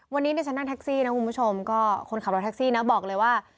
วันนี้ดิฉันนั่งแท็กซี่นะคุณผู้ชมก็คนขับรถแท็กซี่นะบอกเลยว่า